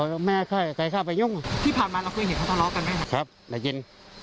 ทะเลาะกันยังไงตอนนั้นที่ได้ยิน